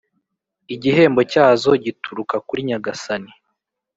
igihembo cyazo gituruka kuri Nyagasani,